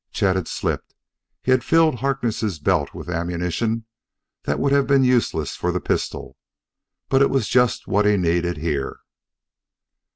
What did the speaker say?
Chet had slipped; he had filled Harkness' belt with ammunition that would have been useless for the pistol but it was just what he needed here.